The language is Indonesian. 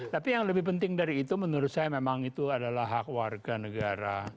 tapi yang lebih penting dari itu menurut saya memang itu adalah hak warga negara